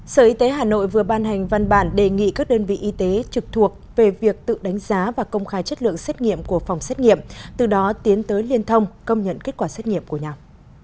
sở y tế hà nội vừa ban hành văn bản đề nghị các đơn vị y tế trực thuộc về việc tự đánh giá và công khai chất lượng xét nghiệm của phòng xét nghiệm từ đó tiến tới liên thông công nhận kết quả xét nghiệm của nhau